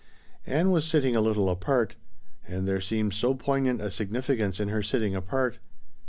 Ann was sitting a little apart. And there seemed so poignant a significance in her sitting apart.